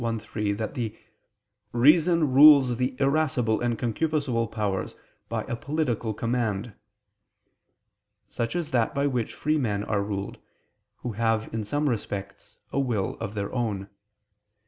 i, 3) that the "reason rules the irascible and concupiscible powers by a political command" such as that by which free men are ruled, who have in some respects a will of their own.